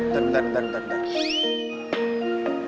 bentar bentar bentar